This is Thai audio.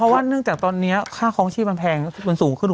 เพราะว่าเนื่องจากตอนนี้ค่าคลองชีพมันแพงมันสูงขึ้น